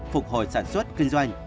phục hồi sản xuất kinh doanh